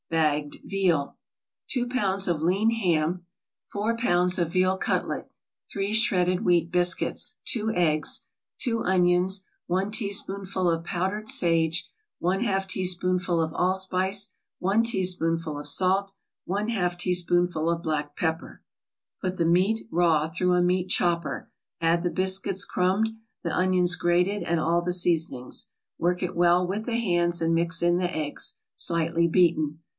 BAGGED VEAL 2 pounds of lean ham 4 pounds of veal cutlet 3 shredded wheat biscuits 2 eggs 2 onions 1 teaspoonful of powdered sage 1/2 teaspoonful of allspice 1 teaspoonful of salt 1/2 teaspoonful of black pepper Put the meat, raw, through a meat chopper, add the biscuits crumbed, the onions grated, and all the seasonings. Work it well with the hands, and mix in the eggs, slightly beaten.